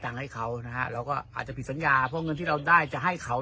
ให้เขานะฮะเราก็อาจจะผิดสัญญาเพราะเงินที่เราได้จะให้เขา